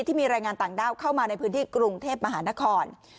ที่มีรายงานต่างด้าวเข้ามาในพื้นที่กรุงเทพมหานคร